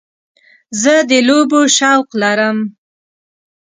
زه د لوبو شوق لرم.